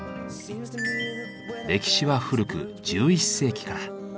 歴史は古く１１世紀から。